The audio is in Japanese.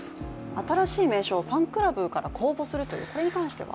新しい名称をファンクラブから公募するというこれに関しては？